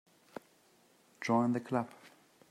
Join the Club.